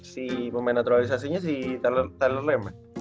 si pemenaturalisasinya si thailand rem ya